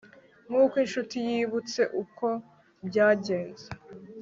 Nkuko inshuti yibutse uko byagenze